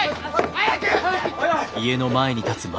早く！